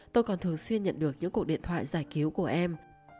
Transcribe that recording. tôi còn thường xuyên nhận được những cuộc điện thoại giải cứu của em